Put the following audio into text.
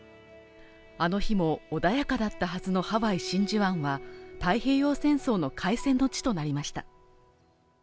あの日も穏やかだったはずのハワイ真珠湾は太平洋戦争の開戦の地となりました